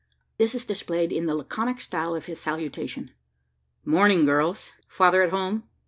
This is displayed in the laconic style of his salutation: "Morning girls! father at home?"